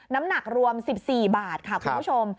น้ำหนักรวม๑๔บาทค่ะคุณผู้ชม